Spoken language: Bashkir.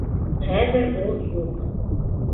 Хәҙер ул юҡ.